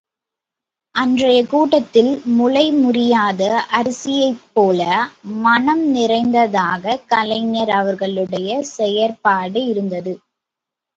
அன்றைய கூட்டத்தில் முனை முறியாத அரிசியைப் போல மணம் நிறைந்ததாக கலைஞர் அவர்களுடைய செயற்பாடு இருந்தது!